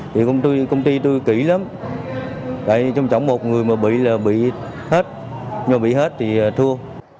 thì công ty tôi kỹ lắm trong trọng một người mà bị là bị hết nhôm bị hết thì thua